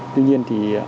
tuy nhiên thì